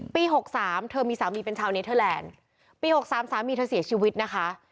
หกสามเธอมีสามีเป็นชาวเนเทอร์แลนด์ปี๖๓สามีเธอเสียชีวิตนะคะ